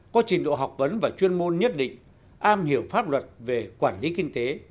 có trình độ học vấn và chuyên môn nhất định am hiểu pháp luật về quản lý kinh tế